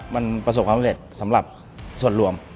มันประสบความสำเร็จสำหรับส่วนรวม